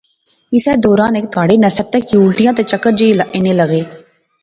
اسے دوران ہیک تہاڑے نصرتا کی الٹیاں تے چکر جئے اینے لاغے